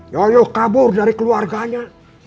yoyok kabur dari keluarganya